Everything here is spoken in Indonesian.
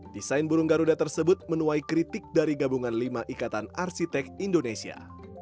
desain burung garuda tersebut menuai kritik dari gabungan lima ikatan arsitek indonesia